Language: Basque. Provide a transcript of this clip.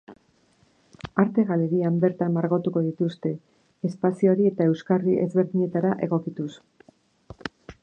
Arte-galerian bertan margotuko dituzte, espazioari eta euskarri ezberdinetara egokituz.